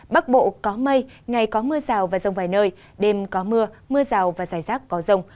bắc bộ có mây ngày có mưa rào và rông vài nơi đêm có mưa mưa rào và rải rác có rông